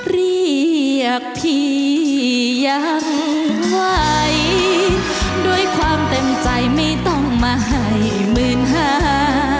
เรียกพี่ยังไหวด้วยความเต็มใจไม่ต้องมาให้หมื่นห้า